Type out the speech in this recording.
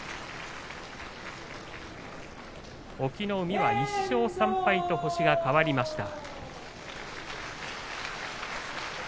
隠岐の海１勝３敗と星が変わりました。